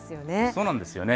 そうなんですよね。